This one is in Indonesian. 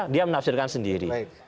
dia menafsirkan sendiri